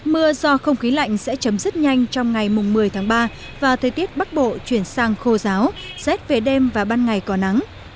mưa do không khí lạnh sẽ chấm dứt nhanh trong ngày một mươi tháng ba và thời tiết bắc bộ chuyển sang khô giáo rét về đêm và ban ngày có nắng